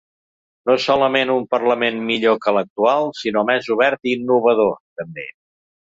No solament un parlament millor que l’actual, sinó més obert i innovador, també.